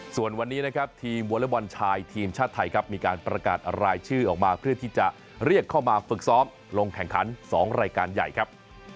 ส่วนวันนี้นะครับทีมวอเล็กบอลชายทีมชาติไทยครับมีการประกาศรายชื่อออกมาเพื่อที่จะเรียกเข้ามาฝึกซ้อมลงแข่งขัน๒รายการใหญ่ครับ